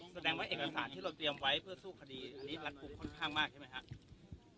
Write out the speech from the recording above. แสดงว่าเอกสารที่เราเตรียมไว้เพื่อสู้คดีอันนี้รัฐกลุ่มค่อนข้างมากใช่ไหมครับ